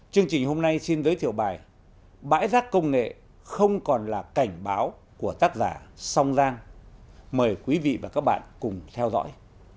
chương trình hôm nay xin giới thiệu bài bãi rác công nghệ không còn là cảnh báo của tác giả song giang mời quý vị và các bạn cùng theo dõi